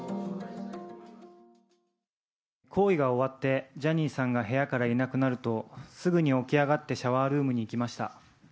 行為が終わって、ジャニーさんが部屋からいなくなると、すぐに起き上がってシャワールームに行きました。